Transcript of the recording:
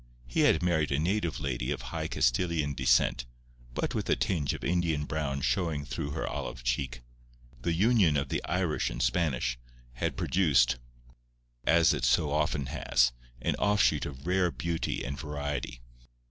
He had married a native lady of high Castilian descent, but with a tinge of Indian brown showing through her olive cheek. The union of the Irish and the Spanish had produced, as it so often has, an offshoot of rare beauty and variety.